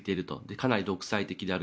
かなり独裁的である。